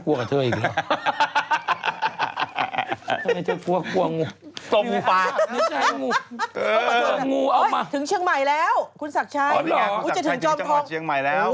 นั่นดอยสุเทพฯหรือเปล่าเธอ